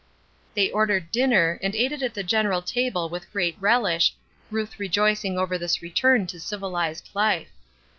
They ordered dinner and ate it at the general table with great relish, Ruth rejoicing over this return to civilized life.